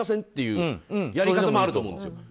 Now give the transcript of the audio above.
ってやり方もあると思うんです。